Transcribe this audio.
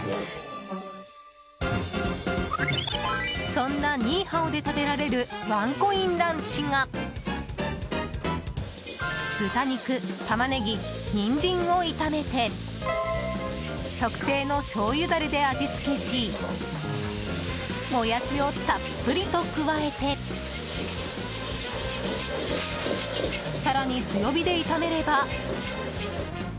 そんなニーハオで食べられるワンコインランチが豚肉、タマネギニンジンを炒めて特製のしょうゆダレで味付けしモヤシをたっぷりと加えて更に強火で炒めれば。